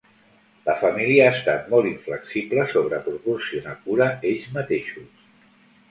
La família ha estat molt inflexible sobre proporcionar cura ells mateixos.